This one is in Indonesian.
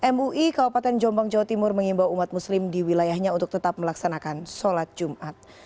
mui kabupaten jombang jawa timur mengimbau umat muslim di wilayahnya untuk tetap melaksanakan sholat jumat